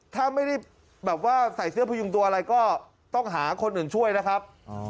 ถ้าไม่ได้แบบว่าใส่เสื้อพยุงตัวอะไรก็ต้องหาคนหนึ่งช่วยนะครับ